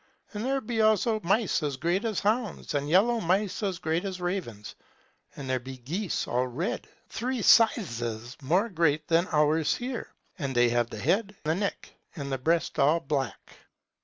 And there be also mice as great as hounds, and yellow mice as great as ravens. And there be geese, all red, three sithes more great than ours here, and they have the head, the neck and the breast all black.